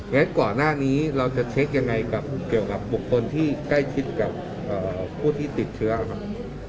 งั้นก่อนหน้านี้เราจะเช็คยังไงกับเกี่ยวกับบุคคลที่ใกล้ชิดกับผู้ที่ติดเชื้อครับ